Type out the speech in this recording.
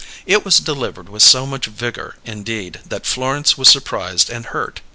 It was delivered with so much vigour, indeed, that Florence was surprised and hurt.